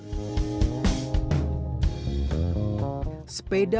daya bambu sepedagi